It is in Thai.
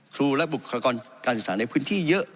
ครูและบุคลากรการศึกษาในพื้นที่เยอะ